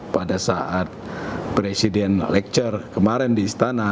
pada saat presiden lecture kemarin di istana